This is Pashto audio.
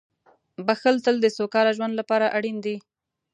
• بښل تل د سوکاله ژوند لپاره اړین دي.